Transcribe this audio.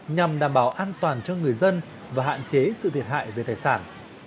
nhằm đảm bảo an toàn cho người dân và hạn chế sự thiệt hại về tài sản